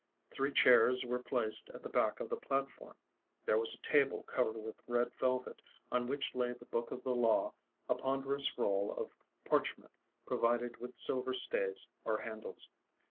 Three chairs were placed at the back of the platform. There was a table covered with red velvet, on which lay the book of the Law, a ponderous roll of parchment provided with silver staves or handles.